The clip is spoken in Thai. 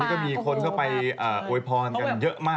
ตอนนี้ก็มีคนเข้าไปโอยพรกันเยอะมาก